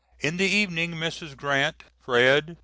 In the evening Mrs. Grant, Fred.